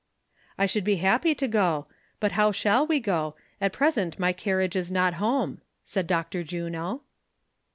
" I should be happy to go, but how shall we go ; at pres ent my carriage is not home V " said Dr. Juno.